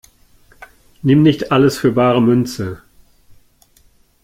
Nimm nicht alles für bare Münze!